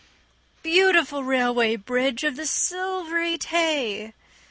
Beautiful Railway Bridge of the Silvery Tay!